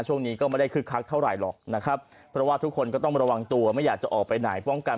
ช่วงนี้ก็ไม่ได้คึกคักเท่าไหร่หรอกนะครับเพราะว่าทุกคนก็ต้องระวังตัวไม่อยากจะออกไปไหนป้องกัน